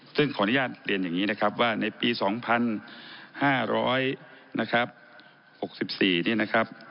ซึ่งขออนุญาตเรียนอย่างนี้นะครับว่าในปี๒๕๐๐นะครับ๖๔นี่นะครับ